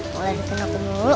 mulai dari penuh penuluk